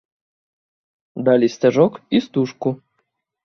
Далі сцяжок і стужку.